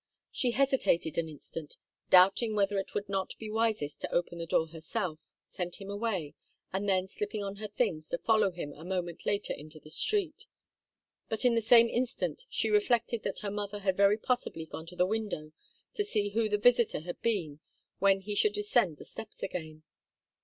She hesitated an instant, doubting whether it would not be wisest to open the door herself, send him away, and then, slipping on her things, to follow him a moment later into the street. But in the same instant she reflected that her mother had very possibly gone to the window to see who the visitor had been when he should descend the steps again.